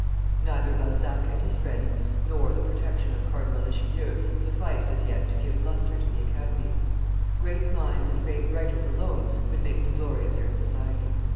Neither Balzac and his friends, nor the protection of Cardinal Richelieu, sufficed as yet to give lustre to the Academy; great minds and great writers alone could make the glory of their society.